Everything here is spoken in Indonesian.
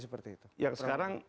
seperti itu ya sekarang